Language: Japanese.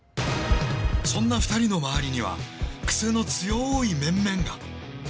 そんな２人の周りにはクセの強い面々が！